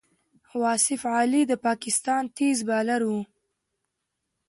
واصف علي د پاکستان تېز بالر وو.